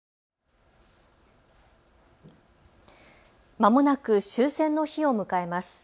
まもなく終戦の日を迎えます。